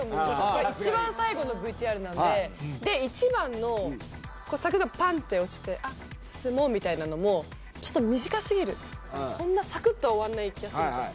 これ一番最後のＶＴＲなんでで１番のこう柵がパンって落ちて「あっ進もう」みたいなのもちょっと短すぎるそんなサクッと終わんない気がするんですよ